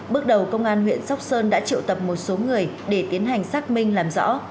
bước đầu công an huyện sóc sơn đã triệu tập một số người để tiến hành xác minh làm rõ